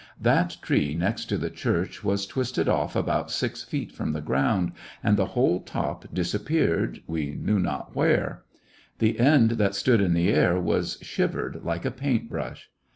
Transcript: That tree next to the church was twisted off about six feet from the ground, and the whole top disappeared, we knew not where; the end that stood in the air was shivered like a paint brush.